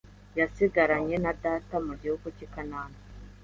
yasigaranye na data mu gihugu cy i Kanani